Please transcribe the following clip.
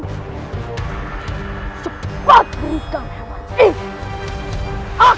cepat berhutang hewan ini